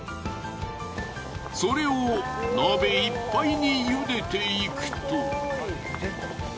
それを鍋いっぱいにゆでていくと。